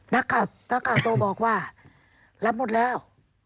นักข่าวโทรบอกว่ารับหมดแล้ว